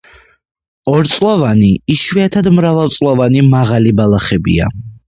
ორწლოვანი, იშვიათად მრავალწლოვანი მაღალი ბალახებია.